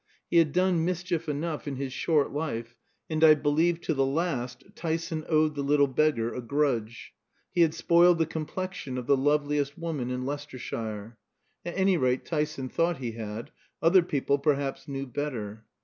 He had done mischief enough in his short life, and I believe to the last Tyson owed the little beggar a grudge. He had spoiled the complexion of the loveliest woman in Leicestershire. At any rate Tyson thought he had. Other people perhaps knew better.